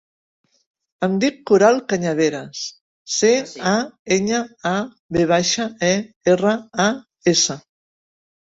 Em dic Coral Cañaveras: ce, a, enya, a, ve baixa, e, erra, a, essa.